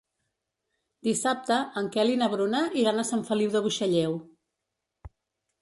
Dissabte en Quel i na Bruna iran a Sant Feliu de Buixalleu.